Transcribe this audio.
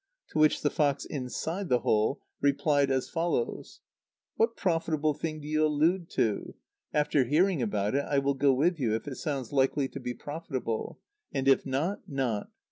To which the fox inside the hole replied as follows: "What profitable thing do you allude to? After hearing about it, I will go with you if it sounds likely to be profitable; and if not, not."